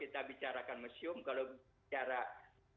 jadi pemahaman kita terhadap museum inilah barangkali yang harus kita ubah